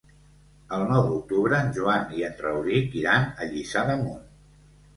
El nou d'octubre en Joan i en Rauric iran a Lliçà d'Amunt.